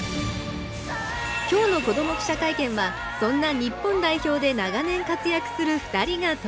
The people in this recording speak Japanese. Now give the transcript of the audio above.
今日の子ども記者会見はそんな日本代表で長年活躍する２人が登場。